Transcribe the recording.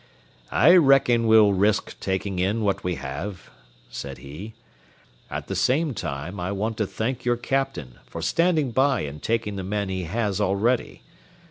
"I reckon we'll risk taking in what we have," said he; "at the same time I want to thank your captain for standing by and taking the men he has already.